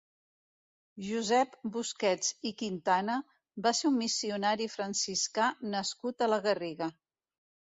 Josep Busquets i Quintana va ser un missionari franciscà nascut a la Garriga.